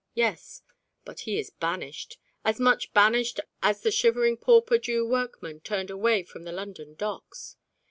Yes, but he is banished: as much banished as the shivering pauper Jew workman turned away from the London Docks.